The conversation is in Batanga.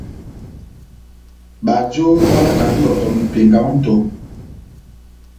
Bajo balakandi ihɔtɔ mepenga ó nʼtɔbu.